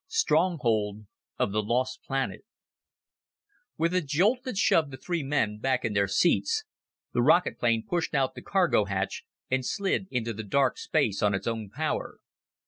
Stronghold of the Lost Planet With a jolt that shoved the three men back in their seats, the rocket plane pushed out the cargo hatch, and slid into the dark of space on its own power.